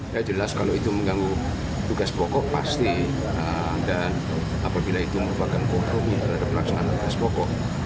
ya jelas kalau itu mengganggu tugas pokok pasti dan apabila itu merupakan kompromi terhadap pelaksanaan tugas pokok